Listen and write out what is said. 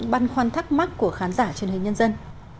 băn khoăn thắc mắc của khán giả truyền hình nhân dân